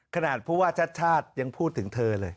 ขนาดพูดว่าชาดยังพูดถึงเธอเลย